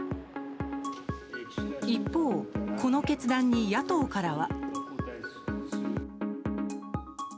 一方、この決断に野党からは。